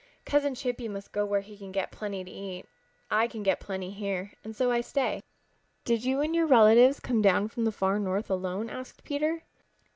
Cousin Chippy must go where he can get plenty to eat. I can get plenty here and so I stay." "Did you and your relatives come down from the Far North alone?" asked Peter.